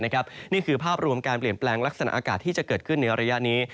นี่คือภาพรวมการเปลี่ยนแปลงลักษณะอากาศที่จะเกิดขึ้นในระยะนี้